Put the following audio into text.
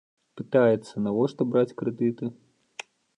Пытаецца, навошта браць крэдыты?